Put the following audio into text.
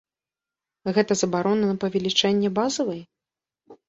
Гэта забарона на павелічэнне базавай?